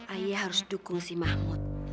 ayah harus dukung si mahmud